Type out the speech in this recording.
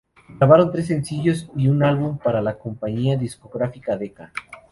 Grabaron tres sencillos y un álbum para la compañía discográfica Decca.